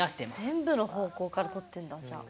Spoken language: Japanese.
全部の方向からとってんだじゃあ。